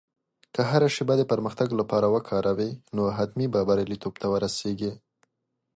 که هره شېبه د پرمختګ لپاره وکاروې، نو حتمي به بریالیتوب ته ورسېږې.